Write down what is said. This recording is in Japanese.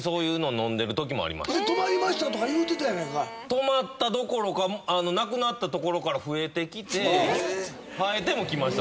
止まったどころかなくなった所から増えてきて生えてもきました